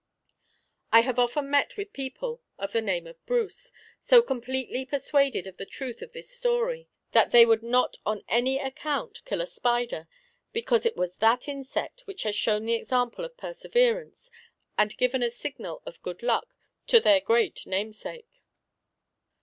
I have often met with people of the name of Bruce, so completely persuaded of the truth of this story, that they would not on any account kill a spider, because it was that insect which had shown the example of perseverance, and given a signal of good luck to their great namesake.